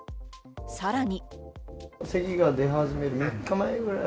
さらに。